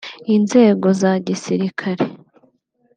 inzego za gisirikare